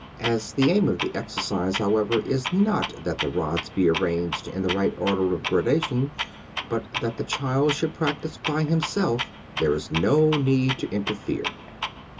As the aim of the exercise, however, is not that the rods be arranged in the right order of gradation, but that the child should practise by himself, there is no need to intervene.